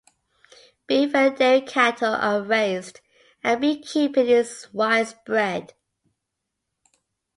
Beef and dairy cattle are raised, and beekeeping is widespread.